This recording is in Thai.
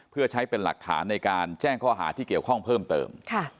เพื่อใช้เป็นหลักฐานในการแจ้งข้อหาที่เกี่ยวข้องเพิ่มเติม